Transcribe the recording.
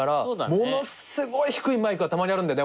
ものすごい低いマイクがたまにあるんだよね俺。